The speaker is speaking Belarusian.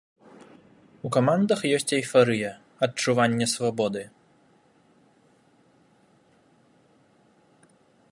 У камандах ёсць эйфарыя, адчуванне свабоды.